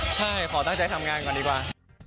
ใช่ขอตั้งใจทำงานก่อนดีกว่า